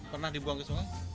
pernah dibuang ke sungai